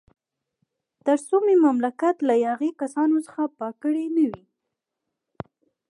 تر څو مې مملکت له یاغي کسانو څخه پاک کړی نه وي.